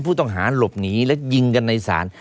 ผู้ต้องหาหลบหนีและยิงกันในศาล